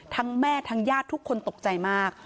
ทั้งแม่ทั้งยาดทุกคนตกใจมาก